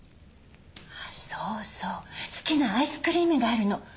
そうそう好きなアイスクリームがあるの。